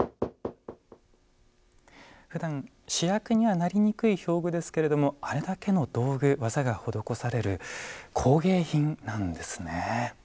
ふだん主役にはなりにくい表具ですけれどもあれだけの道具技が施される工芸品なんですね。